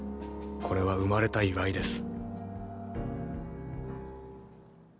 これは生まれた祝いです。